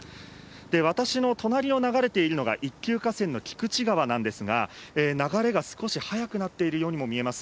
私の隣を流れているのが、一級河川の菊池川なんですが、流れが少し速くなっているようにも見えます。